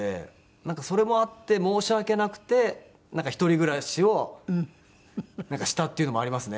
なんかそれもあって申し訳なくて一人暮らしをしたっていうのもありますね。